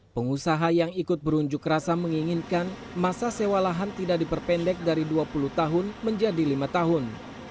pengusaha yang ikut berunjuk rasa menginginkan masa sewa lahan tidak diperpendek dari dua puluh tahun menjadi lima tahun